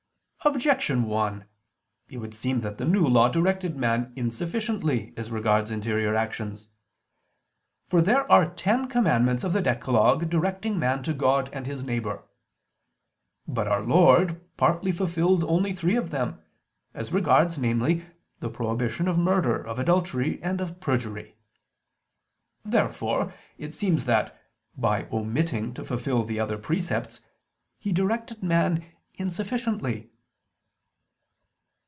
Objection 1: It would seem that the New Law directed man insufficiently as regards interior actions. For there are ten commandments of the decalogue directing man to God and his neighbor. But Our Lord partly fulfilled only three of them: as regards, namely, the prohibition of murder, of adultery, and of perjury. Therefore it seems that, by omitting to fulfil the other precepts, He directed man insufficiently.